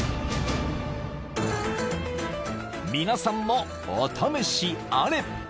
［皆さんもお試しあれ］